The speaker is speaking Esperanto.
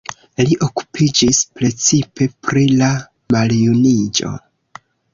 Li okupiĝis precipe pri la maljuniĝo.